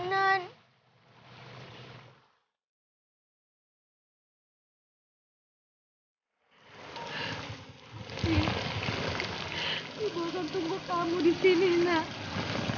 ibu akan tunggu kamu di sini nak